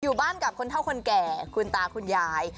อยู่บ้านกับคนเท่าคนแก่คุณตาคุณยาย